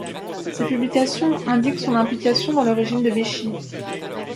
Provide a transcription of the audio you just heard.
Ses publications indiquent son implication dans le régime de Vichy.